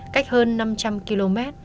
cách hơn năm trăm linh km